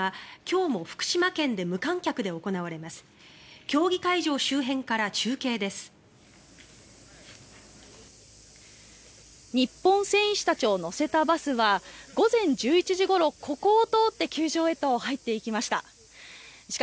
日本選手たちを乗せたバスは午前１１時ごろ、ここを通って球場へと入っていきました。